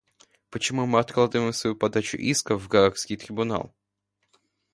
Почему вы откладывали свою подачу исков в Гаагский трибунал?